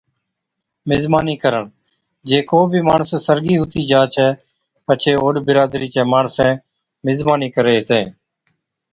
مزمانِي ڪرڻ، جي ڪو بِي ماڻس سرگِي ھُتِي جا ڇَي پڇي اوڏ برادرِي چين ماڻسين مزمانِي ڪري ھِتين